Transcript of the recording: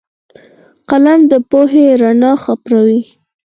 قلم د پوهې رڼا خپروي